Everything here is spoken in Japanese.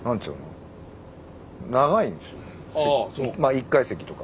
１階席とか。